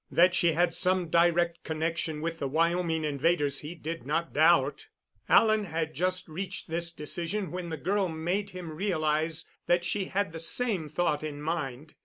That she had some direct connection with the Wyoming invaders he did not doubt. Alan had just reached this decision when the girl made him realize that she had the same thought in mind.